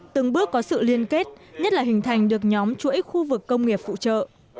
từng bước có sự liên kết nhất là hình thành được nhóm chuỗi khu vực công nghiệp phụ trợ